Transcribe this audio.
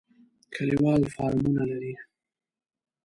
کلیوال فارمونه لري.